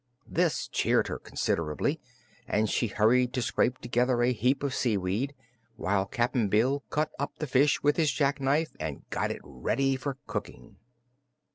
This cheered her considerably and she hurried to scrape together a heap of seaweed, while Cap'n Bill cut up the fish with his jackknife and got it ready for cooking.